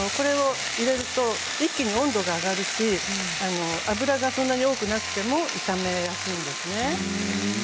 ほんの少量なんですけどこれを入れると一気に温度が上がるし油がそんなに多くなくても炒めやすいんですね。